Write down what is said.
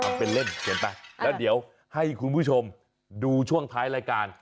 มันเป็นเล่นเขียนไปแล้วเดี๋ยวให้คุณผู้ชมดูช่วงท้ายรายการ